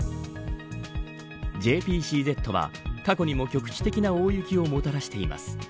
ＪＰＣＺは過去にも局地的な大雪をもたらしています。